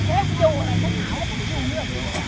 อุ้ยไปรอดแล้วนะครับ